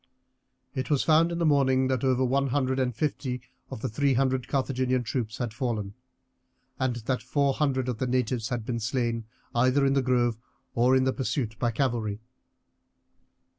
It was found in the morning that over one hundred and fifty of the three hundred Carthaginian troops had fallen, and that four hundred of the natives had been slain either in the grove or in the pursuit by cavalry.